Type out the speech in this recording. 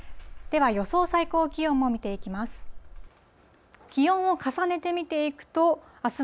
では予想最高気温も見ていきます。